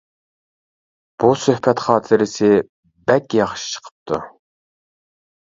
بۇ سۆھبەت خاتىرىسى بەك ياخشى چىقىپتۇ!